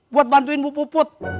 buat bantuin bu puput